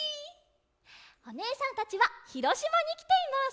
おねえさんたちはひろしまにきています！